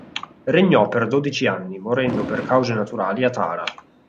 Regnò per dodici anni, morendo per cause naturali a Tara.